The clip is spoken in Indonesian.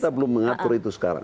kita belum mengatur itu sekarang